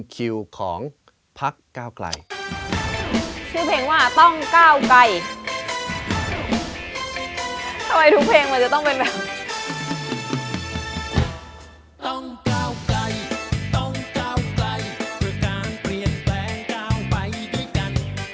ต้องก้าวกล่ายต้องก้าวกล่าย